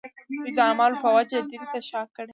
دوی د اعمالو په وجه دین ته شا کړي.